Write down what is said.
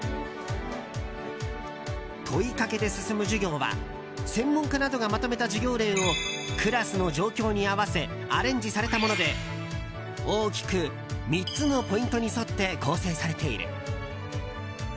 問いかけで進む授業は専門家などがまとめた授業例をクラスの状況に合わせアレンジされたもので大きく３つのポイントに沿って構成されている。